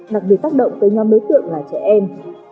đặc biệt tác động tới nhóm đối tượng là trẻ em